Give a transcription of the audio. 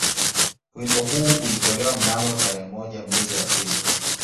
Wimbo huu ulitolewa mnamo tarehe moja mwezi wa pili